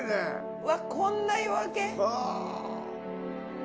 うわこんな夜明け。